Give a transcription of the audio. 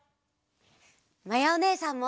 まやおねえさんも！